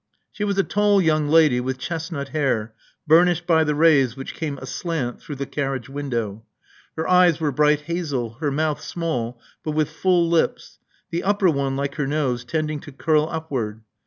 She was a tall young lady with chestnut hair, burnished by the rays which came aslant through the carriage window. Her eyes were bright hazel ; her mouth small, but with full lips, the upper one, like her nose, tending to curl upward.